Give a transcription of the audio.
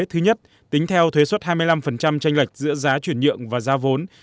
thứ nhất tính theo thuế xuất hai mươi năm tranh lệch giữa giá chuyển nhượng và giá vốn